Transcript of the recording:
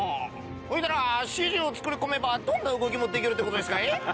ほいだらＣＧを作り込めばどんな動きもできるって事ですかい？